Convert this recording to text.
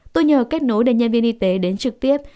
tôi nhờ kết nối để nhân viên y tế đến trực tiếp